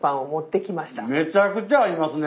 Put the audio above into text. めちゃくちゃありますね。